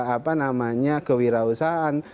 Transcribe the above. apa namanya kewirausahaan